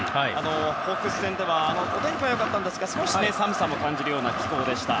ホークス戦ではお天気は良かったんですが少し寒さも感じるような気候でした。